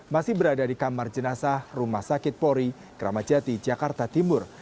masih berada di kamar jenazah rumah sakit pori kramacati jakarta timur